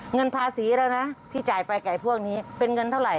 เงินภาษีแล้วนะที่จ่ายไปกับพวกนี้เป็นเงินเท่าไห